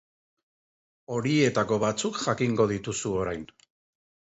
Horietako batzuk jakingo dituzu orain.